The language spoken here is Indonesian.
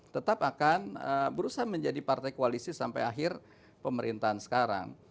tetap akan berusaha menjadi partai koalisi sampai akhir pemerintahan sekarang